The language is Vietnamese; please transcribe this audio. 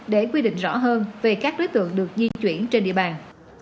để quy định rõ hơn về các đối tượng được di chuyển trên địa bàn